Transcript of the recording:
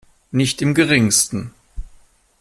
Nicht im Geringsten.